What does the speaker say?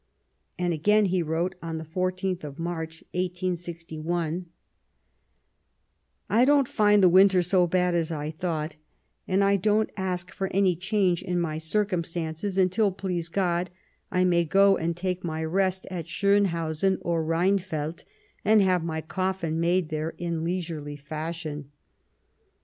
And again he wrote, on the 14th of March, 1861 :" I don't find the winter so bad as I thought, and I don't ask for any change in my circumstances until, please God, I may go and take my rest at 51 Bismarck Schonhausen or Reinfeld and have my coffin made there in leisurely fashion."